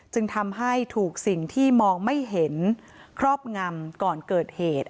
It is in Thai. จึงทำให้ถูกสิ่งที่มองไม่เห็นครอบงำก่อนเกิดเหตุ